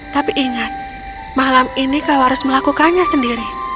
tapi ingat malam ini kau harus melakukannya sendiri